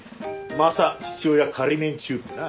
「マサ父親仮免中」ってな。